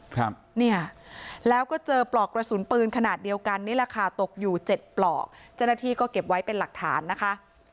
ครับเนี่ยแล้วก็เจอปลอกกระสุนปืนขนาดเดียวกันนี่แหละค่ะตกอยู่เจ็ดปลอกเจ้าหน้าที่ก็เก็บไว้เป็นหลักฐานนะคะ